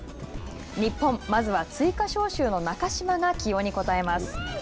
日本、まずは追加招集の中嶋が起用に応えます。